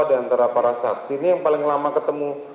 di antara para saksi ini yang paling lama ketemu